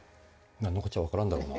何のこっちゃ分からんだろうな。